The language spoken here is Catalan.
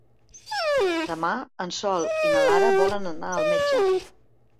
Demà en Sol i na Lara volen anar al metge.